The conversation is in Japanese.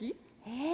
え？